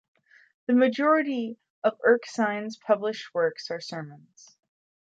The majority of Erskine's published works are sermons.